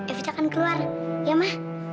evita akan keluar ya ma